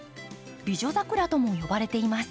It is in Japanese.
美女桜とも呼ばれています。